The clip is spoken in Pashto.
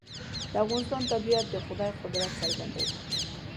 د افغانستان طبیعت د خدای قدرت څرګندوي.